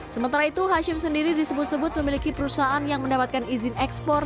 sementara itu hashim sendiri disebut sebut memiliki perusahaan yang mendapatkan izin ekspor